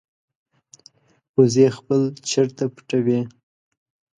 وزې خپل چرته پټوي